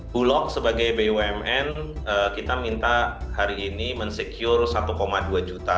bulog sebagai bumn kita minta hari ini mensecure satu dua juta